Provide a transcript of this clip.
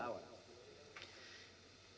jadi ini adalah hal yang harus diperhatikan